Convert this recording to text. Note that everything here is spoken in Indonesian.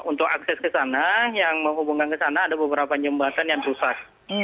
untuk akses ke sana yang menghubungkan ke sana ada beberapa jembatan yang rusak